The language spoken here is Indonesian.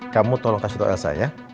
kamu tolong kasih tau elsa ya